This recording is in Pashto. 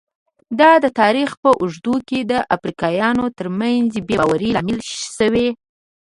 دا د تاریخ په اوږدو کې د افریقایانو ترمنځ بې باورۍ لامل شوي.